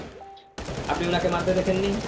আপনি উনাকে মারতে দেখেননি?